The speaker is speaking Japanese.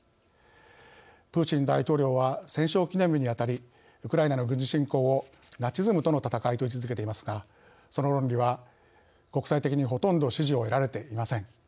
プーチン大統領は戦勝記念日にあたりウクライナの軍事侵攻をナチズムとの戦いと位置づけていますがその論理は国際的にほとんど支持を得られていません。